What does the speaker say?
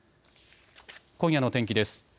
今夜の天気です。